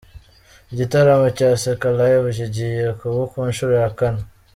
Igitaramo cya Seka Live kigiye kuba ku nshuro ya kane.